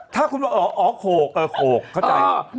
ถ้าคุณว่าอ๋ออ๋อโขกเออโขกเข้าใจ